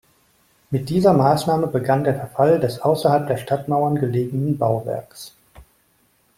Mit dieser Maßnahme begann der Verfall des außerhalb der Stadtmauern gelegenen Bauwerkes.